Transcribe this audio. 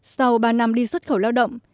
sau ba năm đi xuất khẩu lao động